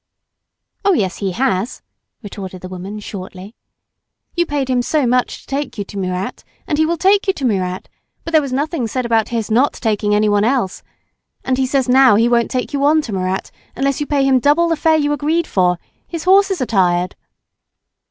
"Oh, yes, he has!" retorted the woman shortly. "You paid him so much to take you to Murat, and he will take you to Murat; but there was nothing said about his not taking anyone else, and he says now he won't take you on to Murat unless you pay him double the fare you agreed for, his horses are tired!"